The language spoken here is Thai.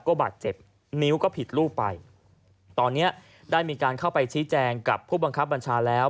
ก็บาดเจ็บนิ้วก็ผิดรูปไปตอนเนี้ยได้มีการเข้าไปชี้แจงกับผู้บังคับบัญชาแล้ว